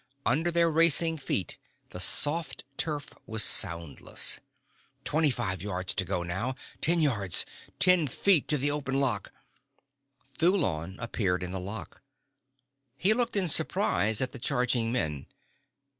Under their racing feet the soft turf was soundless. Twenty five yards to go now. Ten yards. Ten feet to the open lock. Thulon appeared in the lock. He looked in surprise at the charging men.